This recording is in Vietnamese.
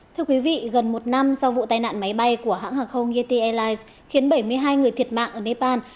thưa quý vị gần một năm sau vụ tai nạn máy bay của hãng hàng không yeti airlines khiến bảy mươi hai người thiệt mạng ở nepal